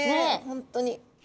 本当に。